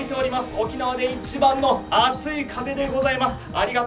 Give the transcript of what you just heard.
沖縄で一番の熱い風でございます。